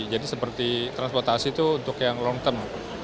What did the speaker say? jadi seperti transportasi itu untuk yang long term